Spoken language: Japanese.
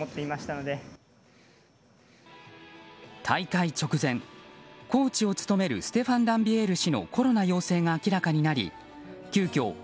大会直前、コーチを務めるステファン・ランビエール氏のコロナ陽性が明らかになり急きょ